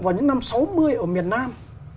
vào những năm sáu mươi